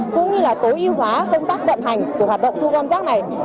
cũng như là tối ưu hóa công tác vận hành của hoạt động thu gom rác này